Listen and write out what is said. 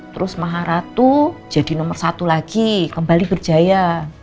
terus maharatu jadi nomor satu lagi kembali ke jaya